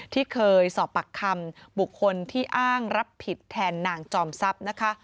ที่เคยสอบปากคำบุคคลที่อ้างรับผิดแทนนางจอมทรัพย์นะคะ